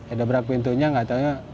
ada berat pintunya gak tau